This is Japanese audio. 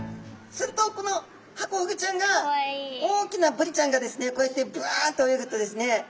するとこのハコフグちゃんが大きなブリちゃんがですねこうやってぶわっと泳ぐとですね